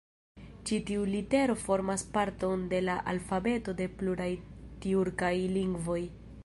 Ĉi tiu litero formas parton de la alfabeto de pluraj tjurkaj lingvoj.